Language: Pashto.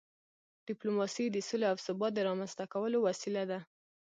ډیپلوماسي د سولې او ثبات د رامنځته کولو وسیله ده.